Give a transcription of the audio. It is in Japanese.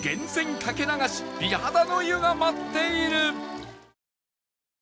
掛け流し美肌の湯が待っている